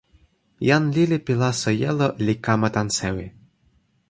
jan lili pi laso jelo li kama tan sewi.